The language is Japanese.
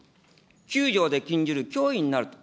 ９条で禁じる脅威になると。